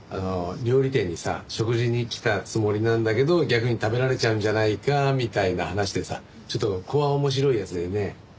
料理店にさ食事に来たつもりなんだけど逆に食べられちゃうんじゃないかみたいな話でさちょっと怖面白いやつだよね。